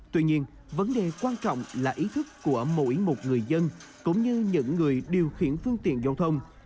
tuy nhiên vấn đề quan trọng là ý thức của mỗi một người dân cũng như những người điều khiển phương tiện giao thông